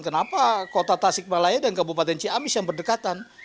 kenapa kota tasik malaya dan kabupaten ciamis yang berdekatan